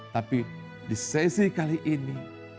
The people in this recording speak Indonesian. tapi di sesi kali ini